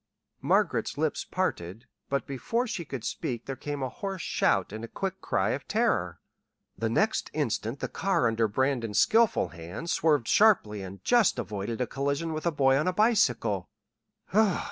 Margaret's lips parted, but before she could speak there came a hoarse shout and a quick cry of terror. The next instant the car under Brandon's skilful hands swerved sharply and just avoided a collision with a boy on a bicycle.